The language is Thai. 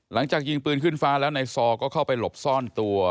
หลังจากยิงปืนขึ้นฟ้าแล้วในซอก็เข้าไปหลบซ่อนตัว